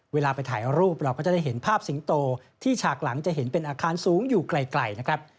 เวลาไปถ่ายรูปเราก็จะได้เห็นภาพสิงโตที่ฉากหลังจะเห็นเป็นอาคารสูงอยู่ไกลนะครับ